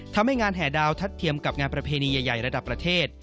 ทำให้งานแห่ดาวทัดเทียมกับงานประเพณีใหญ่ระดับประเทศ